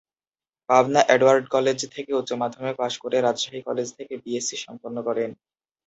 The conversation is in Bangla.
পাবনা এডওয়ার্ড কলেজ থেকে উচ্চ মাধ্যমিক পাশ করে রাজশাহী কলেজ থেকে বিএসসি সম্পন্ন করেন।